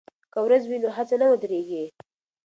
که ورځ وي نو هڅه نه ودریږي.